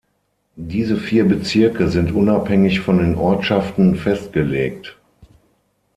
Diese vier Bezirke sind unabhängig von den Ortschaften festgelegt.